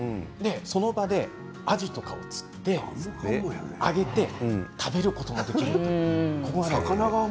その場で、あじとかを釣って揚げて食べることもできると。